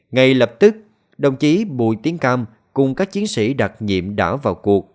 ngay lập tức đồng chí bùi tiến cam cùng các chiến sĩ đặc nhiệm đã vào cuộc